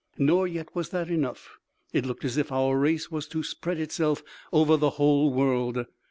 Nor yet was that enough. It looked as if our race was to spread itself over the whole world.